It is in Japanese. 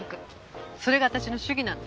それが私の主義なの。